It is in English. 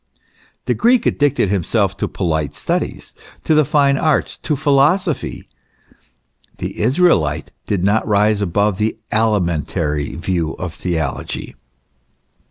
The Greek addicted himself to polite studies, to the fine arts, to philosophy ; the Israelite did not rise above the alimentary view of theology.